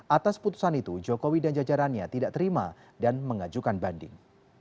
atas putusan itu jokowi dan jajarannya tidak terima dan mengajukan banding